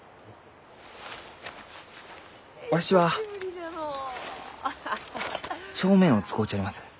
わしは帳面を使うちょります。